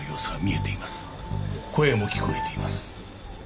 声も聞こえています。